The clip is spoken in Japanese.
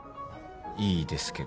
いいですけど。